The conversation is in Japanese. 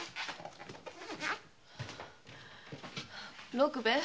六兵衛